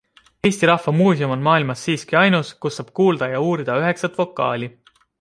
Eesti Rahva Muuseum on maailmas siiski ainus, kus saab kuulda ja uurida üheksat vokaali.